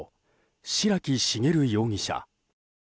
白木茂容疑者。